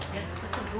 biar suka sebu